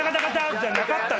じゃなかった。